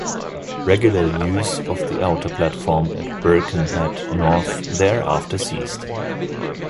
Regular use of the outer platform at Birkenhead North thereafter ceased.